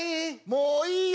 もういいよ。